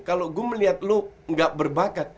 kalo gue melihat lu gak berbakat